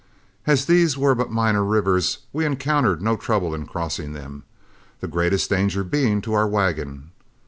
As these were but minor rivers, we encountered no trouble in crossing them, the greatest danger being to our wagon.